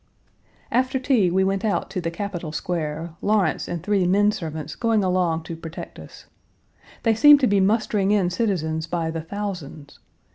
After tea we went out to the Capitol Page 246 Square, Lawrence and three men servants going along to protect us. They seemed to be mustering in citizens by the thousands.